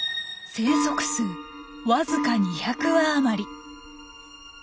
生息数わずか２００羽余り。